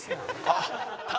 あっ。